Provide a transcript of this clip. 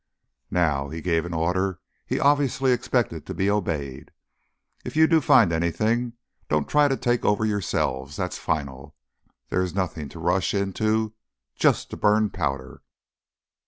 "Now"—he gave an order he obviously expected to be obeyed—"if you do find anything, don't try to take over yourselves. That's final. This is nothing to rush into just to burn powder.